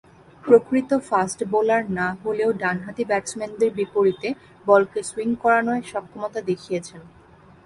প্রকৃত fast bowler না হলেও ডানহাতি ব্যাটসম্যানদের বিপরীতে বলকে সুইং করানোয় সক্ষমতা দেখিয়েছেন।